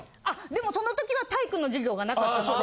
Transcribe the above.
でもその時は体育の授業がなかったんで。